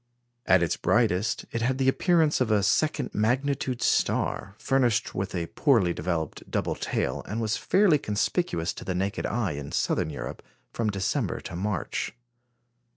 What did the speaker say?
At its brightest, it had the appearance of a second magnitude star, furnished with a poorly developed double tail, and was fairly conspicuous to the naked eye in Southern Europe, from December to March.